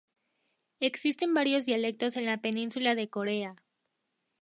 Existen varios dialectos en la península de Corea.